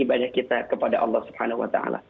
ibadah kita kepada allah swt